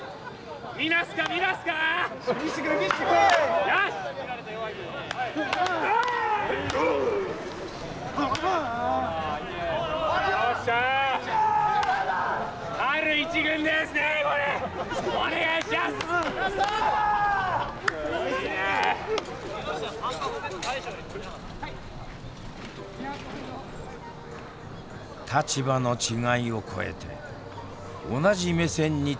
立場の違いを超えて同じ目線に立とうとしていた。